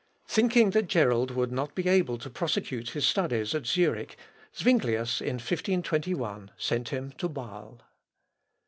Thinking that Gerold would not be able to prosecute his studies at Zurich, Zuinglius, in 1521, sent him to Bâle.